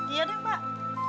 iya deh mbak